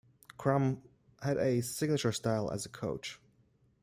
Crum had a signature style as a coach.